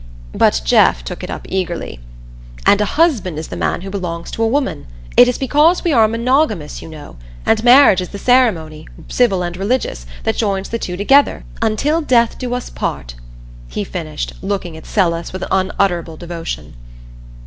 But Jeff took it up eagerly: "And a husband is the man who belongs to a woman. It is because we are monogamous, you know. And marriage is the ceremony, civil and religious, that joins the two together 'until death do us part,'" he finished, looking at Celis with unutterable devotion.